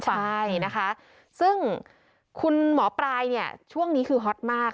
ใช่นะคะซึ่งคุณหมอปลายเนี่ยช่วงนี้คือฮอตมาก